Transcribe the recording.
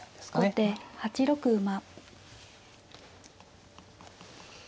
後手８六馬。